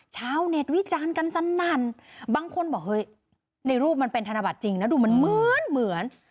ชาวเน็ตวิจารณ์กันสนั่นบางคนบอกเฮ้ยในรูปมันเป็นธนบัตรจริงนะดูมันเหมือนเหมือน